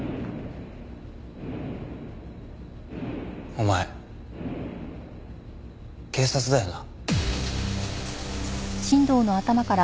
お前警察だよな。